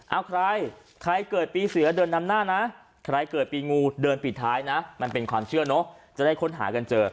เอาใครใครเกิดปีเสือเดินนำหน้านะใครเกิดปีงูเดินปิดท้ายนะมันเป็นความเชื่อเนอะจะได้ค้นหากันเจอ